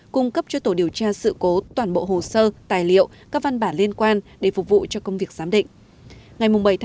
cung cấp cho tổ điều tra sự cố toàn bộ hồ sơ tài liệu các văn bản liên quan để phục vụ cho công việc giám định